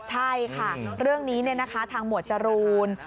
ใช่ค่ะเรื่องนี้ทางหมวดจรูน